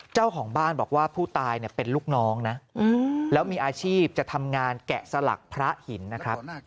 เจ้าของบ้านบอกว่าผู้ตายเนี่ยเป็นลูกน้องนะแล้วมีอาชีพจะทำงานแกะสลักพระหินนะครับ